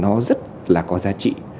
nó rất là giá trị